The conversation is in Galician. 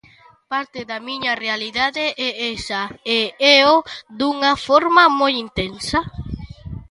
Parte da miña realidade é esa e éo dunha forma moi intensa.